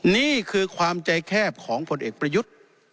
นี่คือความใจแคบของผลเอกประยุทธ์